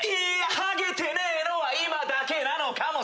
ハゲてねぇのは今だけなのかも。